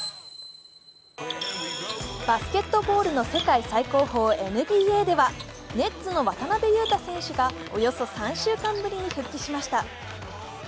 バスケットボールの世界最高峰ＮＢＡでは、ネッツの渡邊雄太選手がおよそ３週間ぶりに復帰しました。